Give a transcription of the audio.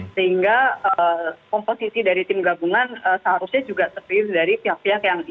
sehingga komposisi dari tim gabungan seharusnya juga terpilih dari pihak pihak yang